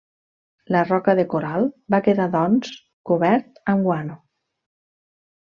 La roca de coral va quedar doncs, cobert amb guano.